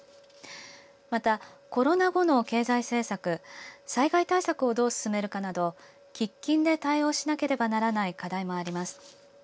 また、コロナ後の経済政策災害対策をどう進めるかなど喫緊で対応しなければならない課題もあります。